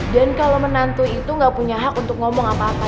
dan kalau menantu itu gak punya hak untuk ngomong apa apa